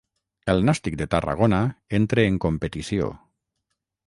El Nàstic de Tarragona entre en competició.